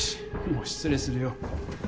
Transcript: もう失礼するよ。